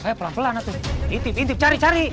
eh pelan pelan atu intip intip cari cari